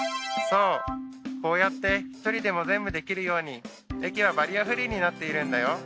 そうこうやって１人でも全部できるように駅はバリアフリーになっているんだよ。